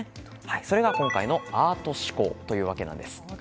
それが、今回のＡｒｔ思考というわけです。